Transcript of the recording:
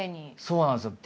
そうなんですよ。